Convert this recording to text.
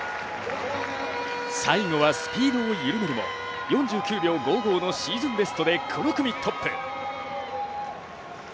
最後はスピードを緩めるも４９秒５５のシーズンベストでこの組トップ。